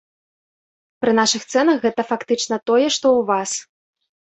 Пры нашых цэнах гэта фактычна тое, што ў вас.